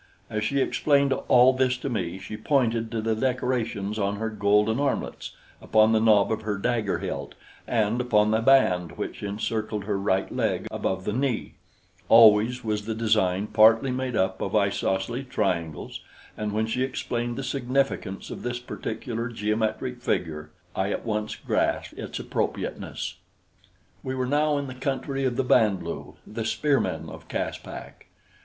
As she explained all this to me, she pointed to the decorations on her golden armlets, upon the knob of her dagger hilt and upon the band which encircled her right leg above the knee always was the design partly made up of isosceles triangles, and when she explained the significance of this particular geometric figure, I at once grasped its appropriateness. We were now in the country of the Band lu, the spearmen of Caspak.